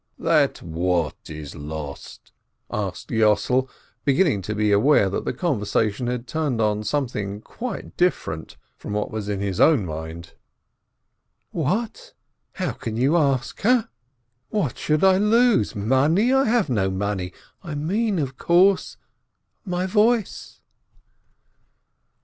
"That what is lost?" asked Yossel, beginning to be aware that the conversation turned on something quite different from what was in his own mind. "What? How can you ask? Ah? What should I lose ? Money ? I have no money — I mean — of course — my voice."